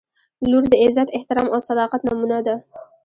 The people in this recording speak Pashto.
• لور د عزت، احترام او صداقت نمونه ده.